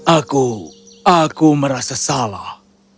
aku aku merasa salah